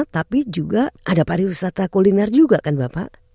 tapi juga ada pariwisata kuliner juga kan bapak